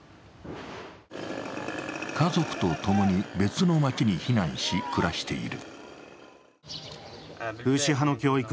家族とともに別の街に避難し、暮らしている。